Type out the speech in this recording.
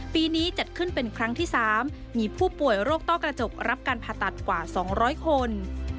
ปีนี้จัดขึ้นเป็นครั้งที่๓มีผู้ป่วยโรคต้อกระจกรับการผ่าตัดกว่า๒๐๐คน